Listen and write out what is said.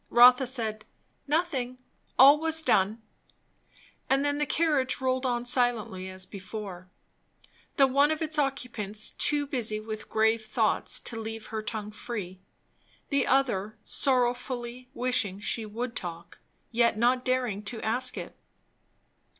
Rotha said "Nothing; all was done"; and then the carriage rolled on silently as before; the one of its occupants too busy with grave thoughts to leave her tongue free, the other sorrowfully wishing she would talk, yet not daring to ask it.